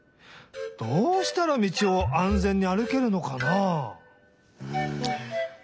どうしたら道を安全に歩けるのかな？